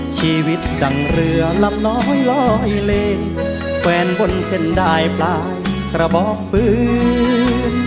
ชีวิตจังเรือลำน้อยลอยเลแฟนบนเส้นได้ปลายกระบอกปืน